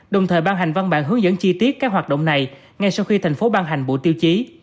đồng thời ban hành văn bản hướng dẫn chi tiết các hoạt động này ngay sau khi thành phố ban hành bộ tiêu chí